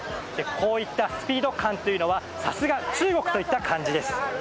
こうしたスピード感はさすが中国といった感じです。